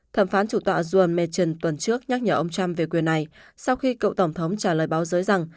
thẩm phán chủ tọa juan mechon tuần trước nhắc nhở ông trump về quyền này sau khi cậu tổng thống trả lời báo giới rằng